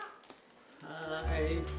はい。